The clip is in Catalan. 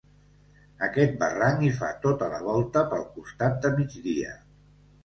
Aquest barranc hi fa tota la volta pel costat de migdia.